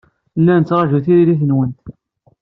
La nettṛaju tiririt-nwent.